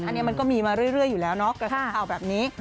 อันนี้มันก็มีมาเรื่อยอยู่แล้วเนาะกระแสข่าวแบบนี้